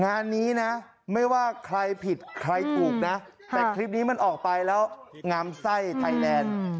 งานนี้นะไม่ว่าใครผิดใครถูกนะแต่คลิปนี้มันออกไปแล้วงามไส้ไทยแลนด์